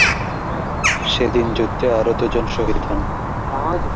সে দিন যুদ্ধে আরও দুজন শহীদ হন।